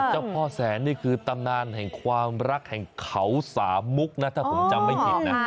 เจ้าพ่อแสนนี่คือตำนานแห่งความรักแห่งเขาสามมุกนะถ้าผมจำไม่ผิดนะ